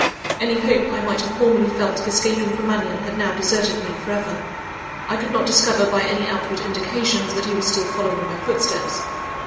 Any hope I might have formerly felt of escaping from Mannion, had now deserted me for ever. I could not discover by any outward indications, that he was still following my footsteps.